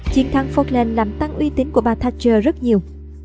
chiến thắng fokland làm tăng uy tín của bà thatcher rất nhiều